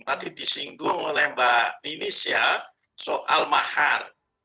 tadi disinggung oleh mbak ninis ya soal mahar